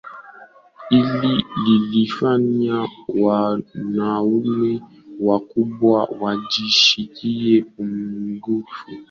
Hilo lilifanya wanaume wakubwa wajisikie pungufu